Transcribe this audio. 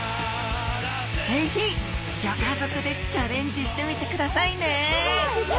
是非ギョ家族でチャレンジしてみてくださいねす